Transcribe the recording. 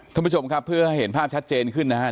ท่านผู้ชมครับเพื่อให้เห็นภาพชัดเจนขึ้นนะครับ